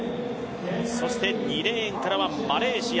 そして２レーンからはマレーシア。